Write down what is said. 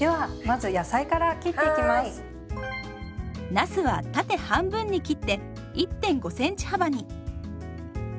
なすは縦半分に切って１．５センチ幅に。